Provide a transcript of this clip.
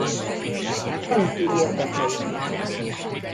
Keleti érdekeink.